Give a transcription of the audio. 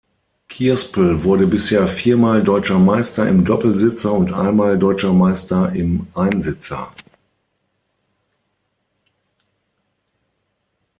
Kierspel wurde bisher viermal Deutscher Meister im Doppelsitzer und einmal Deutscher Meister im Einsitzer.